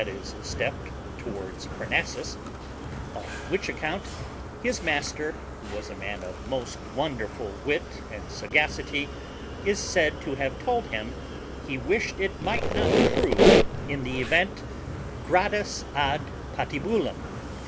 e. A step towards Parnassus, on which account his master, who was a man of most wonderful wit and sagacity, is said to have told him he wished it might not prove in the event Gradus ad Patibulum, i.